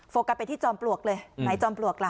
กลับไปที่จอมปลวกเลยไหนจอมปลวกล่ะ